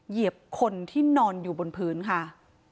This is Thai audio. เหยียบคนที่นอนอยู่บนพื้นค่ะ